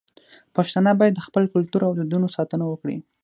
پښتانه بايد د خپل کلتور او دودونو ساتنه وکړي.